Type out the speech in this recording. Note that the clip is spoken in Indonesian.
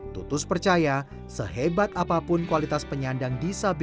tutus percaya sehebat apapun kualitas penyandang disabilitas